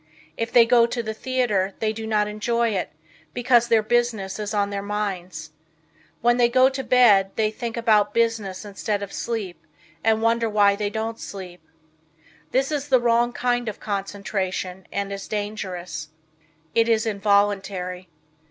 If they go to the theater they do not enjoy it because their business is on their minds. When they go to bed they think about business instead of sleep and wonder why they don't sleep. This is the wrong kind of concentration and is dangerous. It is involuntary.